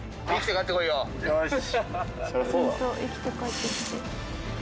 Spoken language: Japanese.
よし。